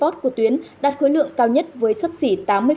gói thầu của tuyến đạt khối lượng cao nhất với sấp xỉ tám mươi